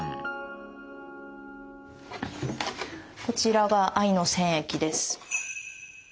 こちらが藍の染液です。